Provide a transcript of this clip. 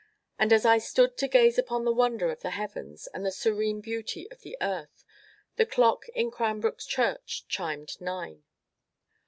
And as I stood to gaze upon the wonder of the heavens, and the serene beauty of the earth, the clock in Cranbrook Church chimed nine.